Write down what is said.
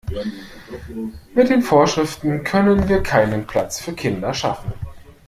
Mit den Vorschriften können wir keinen Platz für Kinder schaffen.